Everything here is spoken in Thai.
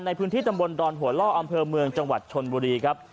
ในพื้นที่ตำบลดอนหัวล่ออำเภอเมืองจังหวัดชนบุรีครับ